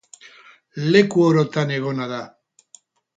Leku orotan egona da.